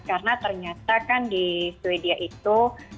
karena ternyata kan di sweden itu